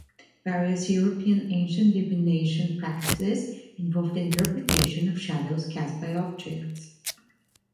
Various European ancient divination practices involved the interpretation of shadows cast by objects.